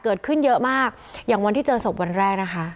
เกิดขึ้นเยอะมากอย่างวันที่เจอศพวันแรกนะคะ